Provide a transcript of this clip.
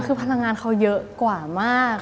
คือพลังงานเขาเยอะกว่ามาก